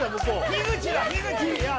樋口だ！